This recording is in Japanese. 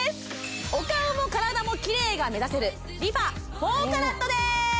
お顔も体もきれいが目指せるＲｅＦａ４ＣＡＲＡＴです